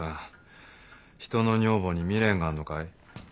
人の女房に未練があんのかい？